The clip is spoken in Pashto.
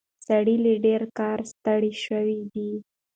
سړی له ډېر کاره ستړی شوی دی.